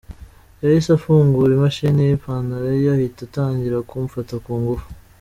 "Yahise afungura imashini y’ipantalo ye ahita atangira kumfata ku ngufu.